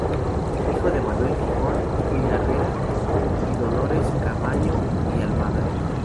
Hijo de Manuel Jijón y Larrea y de Dolores Caamaño y Almada.